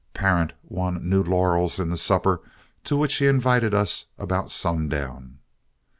Parent won new laurels in the supper to which he invited us about sundown.